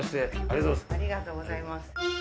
ありがとうございます。